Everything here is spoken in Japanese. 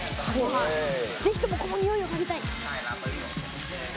ぜひとも、この匂いを嗅ぎたい。